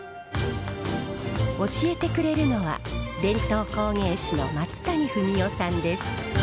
教えてくれるのは伝統工芸士の松谷文夫さんです。